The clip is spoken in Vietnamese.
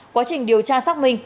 quá trình điều tra xác minh